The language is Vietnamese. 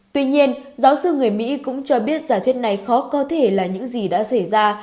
tuy nhiên giáo sư người mỹ cũng cho biết giả thuyết này khó có cơ thể là những gì đã xảy ra